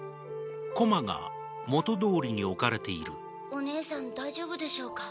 おねえさん大丈夫でしょうか？